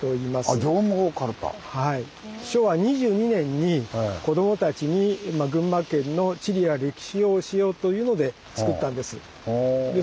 昭和２２年に子供たちに群馬県の地理や歴史を教えようというのでつくったんです。